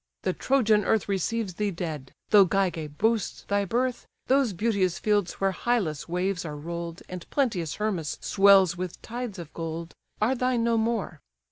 the Trojan earth Receives thee dead, though Gygae boast thy birth; Those beauteous fields where Hyllus' waves are roll'd, And plenteous Hermus swells with tides of gold, Are thine no more."